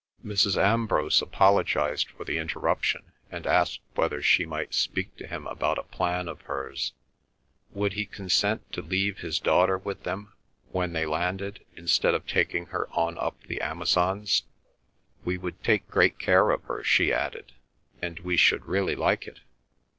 Mrs. Ambrose apologised for the interruption, and asked whether she might speak to him about a plan of hers. Would he consent to leave his daughter with them when they landed, instead of taking her on up the Amazons? "We would take great care of her," she added, "and we should really like it."